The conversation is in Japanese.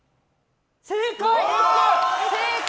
正解！